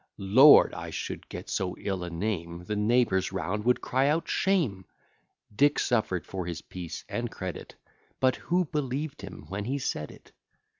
Lord! I should get so ill a name, The neighbours round would cry out shame. Dick suffer'd for his peace and credit; But who believed him when he said it?